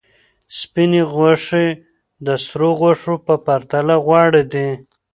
سپینې غوښې د سرو غوښو په پرتله غوره دي.